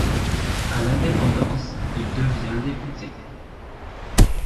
A l'indépendance, il devient député.